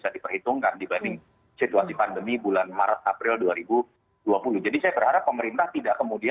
apakah akan menurun seperti yang nanti